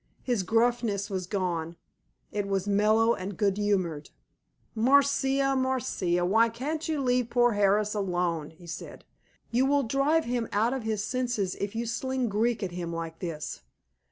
His gruffness was gone! It was mellow and good humored. "Marcia! Marcia! Why can't you leave poor Harris alone?" he said. "You will drive him out of his senses if you sling Greek at him like this.